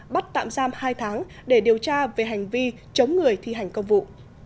bắt tạm giam hai tháng để điều tra về hành vi chống người thi hành công vụ